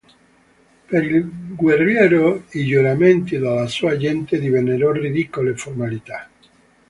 Per il Guerriero, i giuramenti della sua gente divennero ridicole formalità.